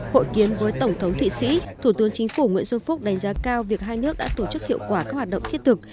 hội kiến với tổng thống thụy sĩ thủ tướng chính phủ nguyễn xuân phúc đánh giá cao việc hai nước đã tổ chức hiệu quả các hoạt động thiết thực